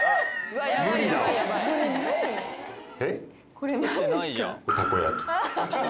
これ何ですか？